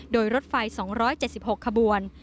โดยรถไฟ๒๗๖ขบวน